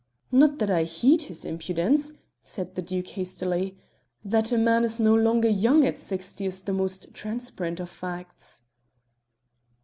"Not that I heed his impudence," said the Duke hastily; "that a man is no longer young at sixty is the most transparent of facts."